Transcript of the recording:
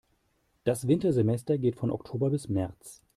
Das Wintersemester geht von Oktober bis März.